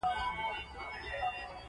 په هدیرو کې به مړي له قبرونو راپاڅي.